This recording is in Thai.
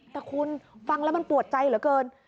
แต่คุณฟังแล้วมันปวดใจเหลือเกิน